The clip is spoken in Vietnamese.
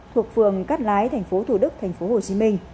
thuộc phường cát lái tp thủ đức tp hcm